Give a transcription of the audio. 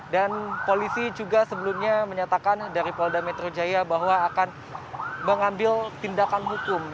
dan polisi juga sebelumnya menyatakan dari polda metro jaya bahwa akan mengambil tindakan hukum